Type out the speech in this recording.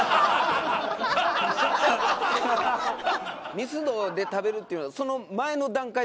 ミスドで食べるっていうのはその前の段階で決めてるから。